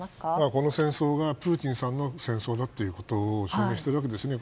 この戦争がプーチンさんの戦争だということを言っているわけですね。